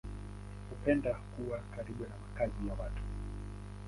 Hupenda kuwa karibu na makazi ya watu.